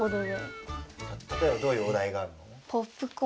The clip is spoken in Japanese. たとえばどういうおだいがあるの？